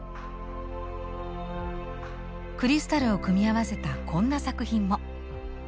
クリスタルを組み合わせたこんな作品も。